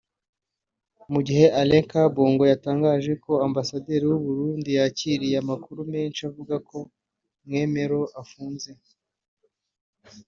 mu gihe Alain Kabongo yatangaje ko Ambasade y’u Burundi yakiriye amakuru menshi avuga ko Mwemero afunze